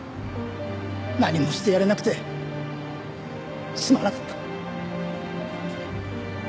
何もしてやれなくてすまなかった。